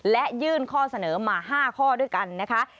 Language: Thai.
และยื่นข้อเสนอมา๕ข้อด้วยกันนะคะ